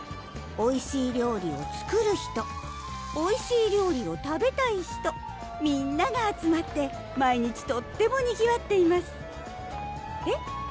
おいしい料理を作る人おいしい料理を食べたい人みんなが集まって毎日とってもにぎわっていますえっ？